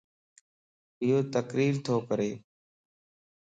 ايو تقرير تو ڪري